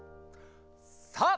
さあ